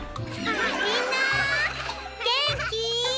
みんなーげんきー？